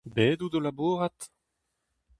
Bet out o labourat ?